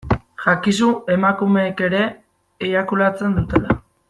Jakizu emakumeek ere eiakulatzen dutela.